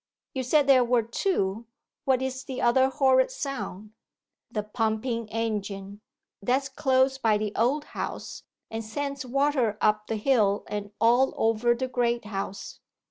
You said there were two what is the other horrid sound?' 'The pumping engine. That's close by the Old House, and sends water up the hill and all over the Great House.